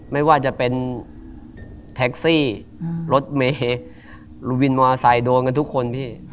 ไม่ว่าจะเป็นแท็กซี่รถเมย์วินมอเตอร์ไซค์โดนกันทุกคนพี่